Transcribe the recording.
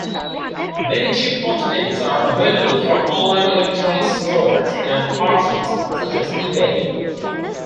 Many cheap alternatives are available from online electronics stores and auctions such as eBay.